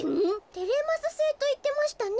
「テレマスセイ」といってましたね。